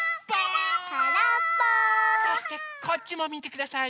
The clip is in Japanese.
そしてこっちもみてください。